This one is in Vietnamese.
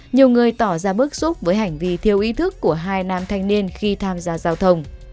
nhiều người tỏ ra bức xúc với hành vi thiếu ý thức của hai nam thanh niên khi tham gia giao thông